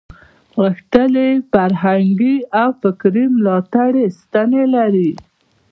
غښتلې فرهنګي او فکري ملاتړې ستنې لري.